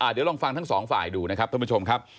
เดี๋ยวลองฟังทั้งสองฝ่ายดูนะครับท่านผู้ชมครับ